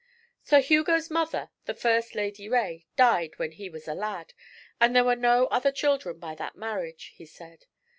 'Sir Hugo's mother, the first Lady Rae, died when he was a lad, and there were no other children by that marriage,' he said.